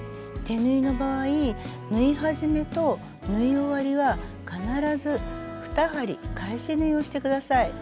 手縫いの場合縫い始めと縫い終わりは必ず２針返し縫いをして下さい。